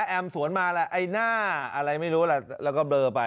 แอมสวนมาแหละไอ้หน้าอะไรไม่รู้แหละแล้วก็เบลอไป